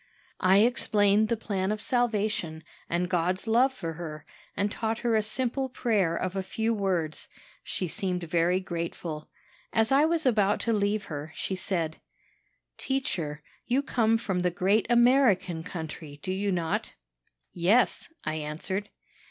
"I explained the plan of salvation, and God's love for her, and taught her a simple prayer of a few words. She seemed very grateful. As I was about to leave her, she said: "'Teacher, you come from the great American country, do you not?' "'Yes,' I answered.